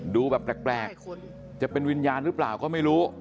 ดูแบบแปลกจะเป็นวิญญาณหรือเปล่าก็ไม่รู้